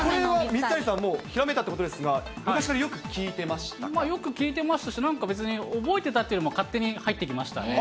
水谷さん、もうひらめいたってことですが、昔からよく聴いてよく聴いてましたし、なんか別に覚えてたというよりも、勝手に入ってきましたね。